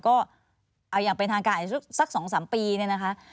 ก็เอาอย่างเป็นทางการอีกสัก๒๓ปีเนี่ยนะคะ